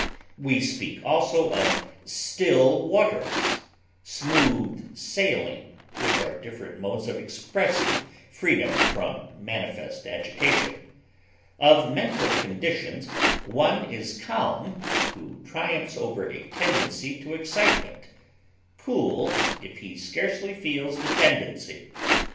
We speak, also, of "still waters," "smooth sailing," which are different modes of expressing freedom from manifest agitation. Of mental conditions, one is calm who triumphs over a tendency to excitement; cool, if he scarcely feels the tendency.